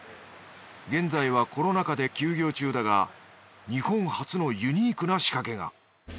現在はコロナ禍で休業中だが日本初のユニークな仕掛けが。